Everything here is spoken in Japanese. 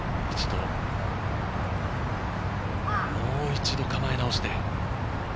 もう一度、構え直して。